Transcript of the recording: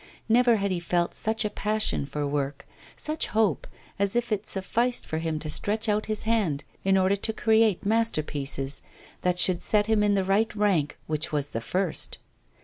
Never had he felt such a passion for work, such hope, as if it sufficed for him to stretch out his hand in order to create masterpieces that should set him in the right rank, which was the first.